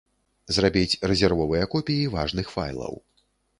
Зрабіць рэзервовыя копіі важных файлаў.